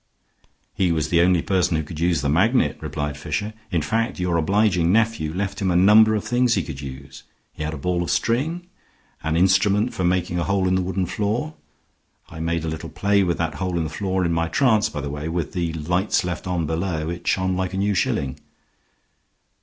"He was the only person who could use the magnet," replied Fisher. "In fact, your obliging nephew left him a number of things he could use. He had a ball of string, and an instrument for making a hole in the wooden floor I made a little play with that hole in the floor in my trance, by the way; with the lights left on below, it shone like a new shilling."